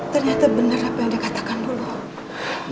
ternyata benar apa yang dikatakan dulu